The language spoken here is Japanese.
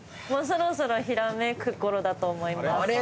もうそろそろひらめく頃だと思います。